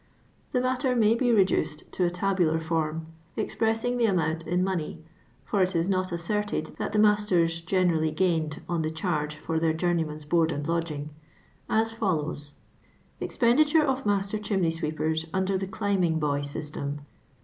The matter may be reduced to a tabular form, expressing the amount in money — for it is not asserted that the masters generally gained on the charge for their journeymen's board and lodging — as follows :— Exr£M>iTURE or Master CnixKET S weepers UNI>KR THE ClIXOINQ BoT SySTEM.